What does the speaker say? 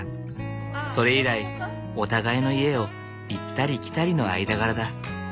それ以来お互いの家を行ったり来たりの間柄だ。